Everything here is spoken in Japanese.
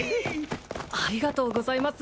ありがとうございます